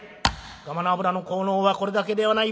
がまの油の効能はこれだけではない。